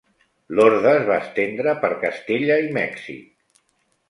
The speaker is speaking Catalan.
L'orde es va estendre per Castella i Mèxic.